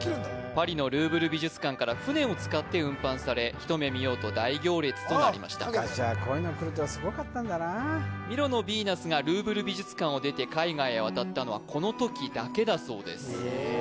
パリのルーヴル美術館から船を使って運搬されひと目見ようと大行列となりました昔はこういうの来るとすごかったんだなあミロのヴィーナスがルーヴル美術館を出て海外へ渡ったのはこの時だけだそうです